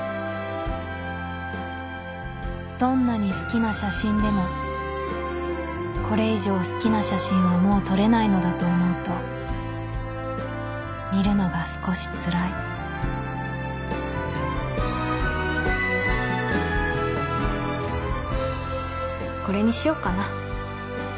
どんなに好きな写真でもこれ以上好きな写真はもう撮れないのだと思うと見るのが少しつらいこれにしようかな